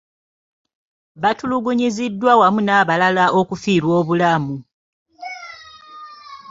Batulugunyiziddwa awamu n'abalala okufiirwa obulamu.